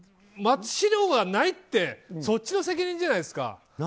資料がないってそっちの責任じゃないですか。